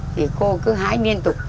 thì cô cứ hái nguyên tục